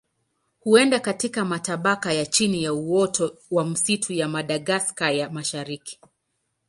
Huenda katika matabaka ya chini ya uoto wa misitu ya Madagaska ya Mashariki.